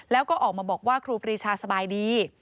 แล้วก็ออกมาบอกว่าครูปรีชาสบายดี